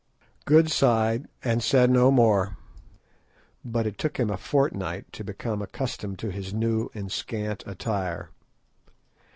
Good sighed, and said no more, but it took him a fortnight to become accustomed to his new and scant attire.